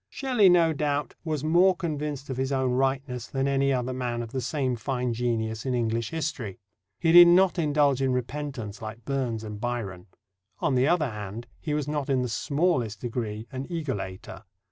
Shelley, no doubt, was more convinced of his own rightness than any other man of the same fine genius in English history. He did not indulge in repentance, like Burns and Byron. On the other hand, he was not in the smallest degree an egolator.